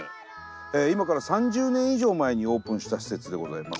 今から３０年以上前にオープンした施設でございます。